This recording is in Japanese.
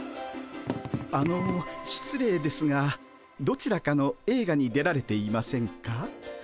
あの失礼ですがどちらかの映画に出られていませんか？